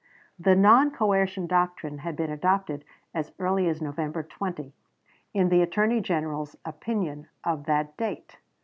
The non coercion doctrine had been adopted as early as November 20, in the Attorney General's opinion of that date.